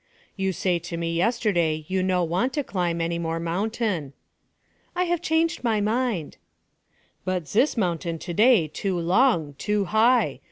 'You say to me yesterday you no want to climb any more mountain.' 'I have changed my mind.' 'But zis mountain to day too long, too high.